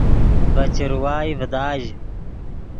ڤے چروائے ڤداژ